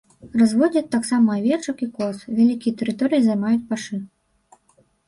Разводзяць таксама авечак і коз, вялікія тэрыторыі займаюць пашы.